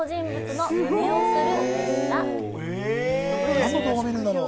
何の動画を見るんだろう？